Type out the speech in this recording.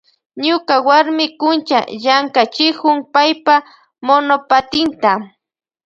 Ñuka warmi kuncha llankachikun paypa monopatinta.